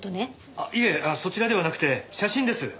あっいえそちらではなくて写真です。